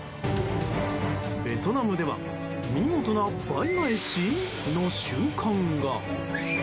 ベトナムでは見事な倍返し？の瞬間が。